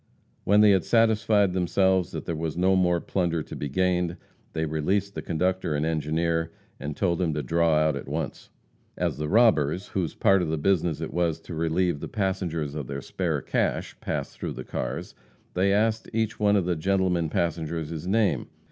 When they had satisfied themselves that there was no more plunder to be gained, they released the conductor and engineer, and told them to draw out at once. As the robbers, whose part of the business it was to relieve the passengers of their spare cash, passed through the cars, they asked each one of the gentlemen passengers his name.